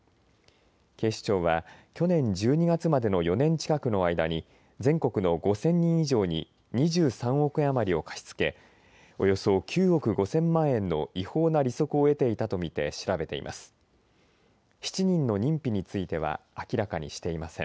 警視庁は去年１２月までの４年近くの間に全国の５０００人以上に２３億円余りを貸し付けおよそ９億５０００万円の違法な利息を得ていたと見て調べています。